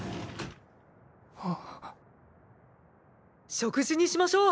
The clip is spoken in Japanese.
食事にしましょう！